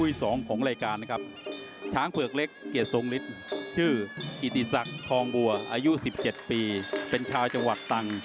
ชกมาแล้วจังหวัดตังค์นะครับ